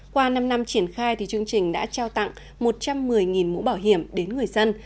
qua năm năm triển khai chương trình đã trao tặng một trăm một mươi mũ bảo hiểm đến người dân